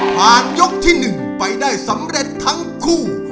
ผ่านยกที่หนึ่งไปได้สำเร็จทั้งคู่